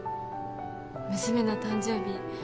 娘の誕生日